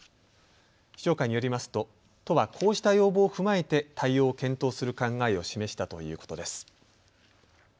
市長会によりますと都はこうした要望を踏まえて対応を検討する考えを示したということです。